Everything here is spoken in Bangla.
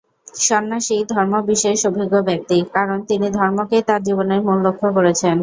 সন্ন্যাসীই ধর্মে বিশেষ অভিজ্ঞ ব্যক্তি, কারণ তিনি ধর্মকেই তাঁর জীবনের মূল লক্ষ্য করেছেন।